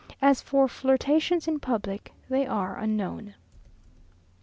As for flirtations in public, they are unknown.